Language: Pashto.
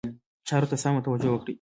چارو ته سمه توجه وکړي.